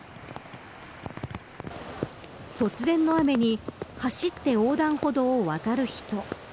突然の雨に走って横断歩道を渡る人。